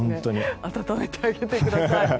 暖めてあげてください。